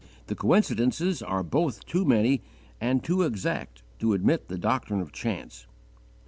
The coincidences are both too many and too exact to admit the doctrine of _chance.